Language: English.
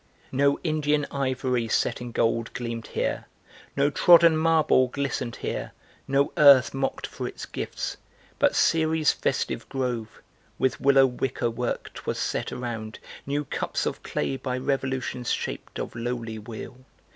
No Indian ivory set in gold gleamed here, No trodden marble glistened here; no earth Mocked for its gifts; but Ceres' festive grove: With willow wickerwork 'twas set around, New cups of clay by revolutions shaped Of lowly wheel.